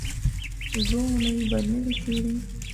دوه اوونۍ به نه وې تېرې.